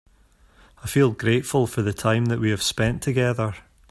I feel grateful for the time that we have spend together.